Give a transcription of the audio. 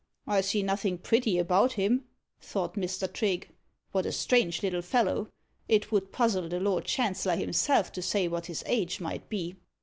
"I see nothing pretty about him," thought Mr. Trigge. "What a strange little fellow! It would puzzle the Lord Chancellor himself to say what his age might be."